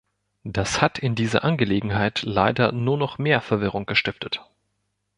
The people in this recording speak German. Das hat in dieser Angelegenheit leider nur noch mehr Verwirrung gestiftet.